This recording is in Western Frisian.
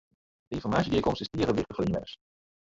De ynformaasjegearkomste is tige wichtich foar de ynwenners.